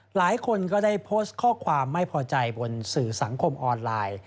หลายคนก็ได้โพสต์ข้อความไม่พอใจบนสื่อสังคมออนไลน์